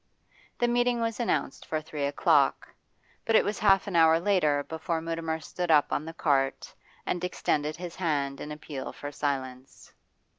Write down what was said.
The meeting was announced for three o'clock, but it was half an hour later before Mutimer stood up on the cart and extended his hand in appeal for silence.